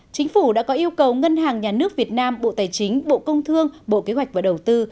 chính phủ đã có yêu cầu ngân hàng nhà nước việt nam bộ tài chính bộ công thương bộ kế hoạch và đầu tư